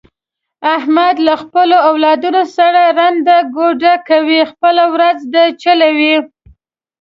احمد له خپلو اولادونو سره ړنده ګوډه کوي، خپله ورځ ده چلوي یې.